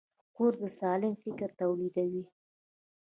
کورس د سالم فکر تولیدوي.